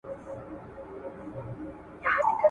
په دې منځ کي باندی تېر سوله کلونه `